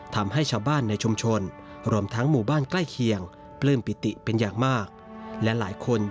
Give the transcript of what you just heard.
ครั้งเสด็จพระบาทสำเด็จพระองค์กลับมา